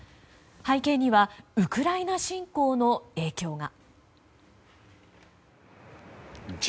背景にはウクライナ侵攻の影響が。